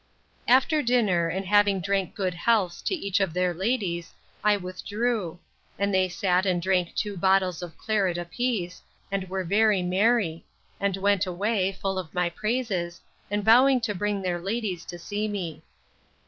After dinner, and having drank good healths to each of their ladies, I withdrew; and they sat and drank two bottles of claret a piece, and were very merry; and went away, full of my praises, and vowing to bring their ladies to see me.